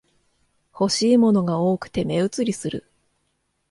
欲しいものが多くて目移りする